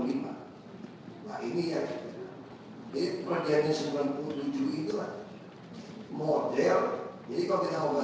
jadi kalau kita mau kasih ingin melaksanakan harus ada perjanjian kerjasama